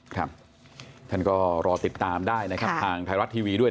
ค่ะท่านก็รอติดตามได้ทางทายรัฐทีวีด้วย